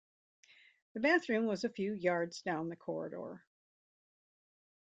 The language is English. The bathroom was a few yards down the corridor.